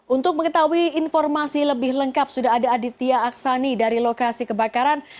untuk mengetahui informasi lebih lengkap sudah ada aditya aksani dari lokasi kebakaran